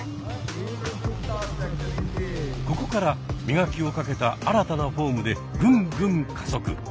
ここから磨きをかけた新たなフォームでぐんぐん加速。